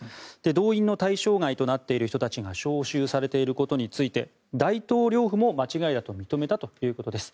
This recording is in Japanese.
動員の対象外となっている人たちが招集されていることについて大統領府も間違いだと認めたということです。